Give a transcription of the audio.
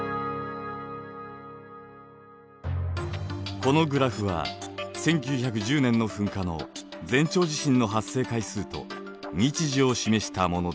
このグラフは１９１０年の噴火の前兆地震の発生回数と日時を示したものです。